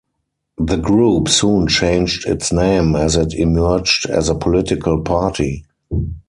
The group soon changed its name as it emerged as a political party.